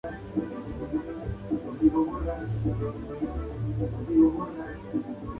Las galletas absorben la crema.